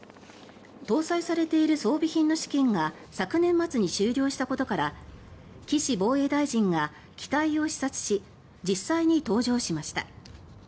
搭載されている装備品の試験が昨年末に終了したことから岸防衛大臣が機体を視察し実際に搭乗しました。